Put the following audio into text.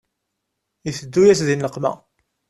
Iteddu-yas di nneqma.